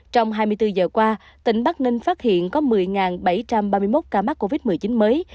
trong hai mươi bốn giờ qua tỉnh bắc ninh phát hiện có một mươi bảy trăm ba mươi một ca mắc covid một mươi chín mới